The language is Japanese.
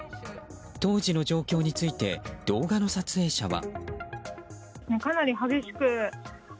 当時の状況について動画の撮影者は。